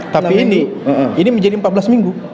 tapi ini ini menjadi empat belas minggu